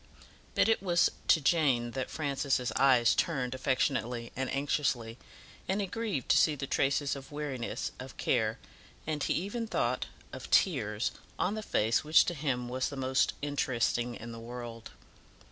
But it was to Jane that Francis' eyes turned affectionately and anxiously, and he grieved to see the traces of weariness, of care, and he even thought, of tears, on the face which to him was the most interesting in the world.